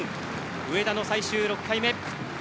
上田の最終６回目。